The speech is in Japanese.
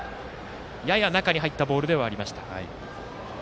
やや中に入ったボールではありました。